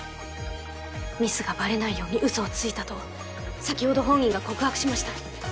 ミスがバレないように嘘をついたと先ほど本人が告白しました。